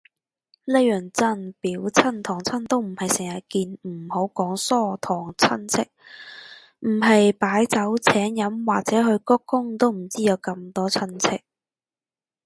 呢樣真，表親堂親都唔係成日見，唔好講疏堂親戚，唔係擺酒請飲或者去鞠躬都唔知有咁多親戚